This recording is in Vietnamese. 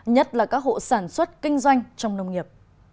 nhất là các hộ sản xuất kinh doanh trong nông nghiệp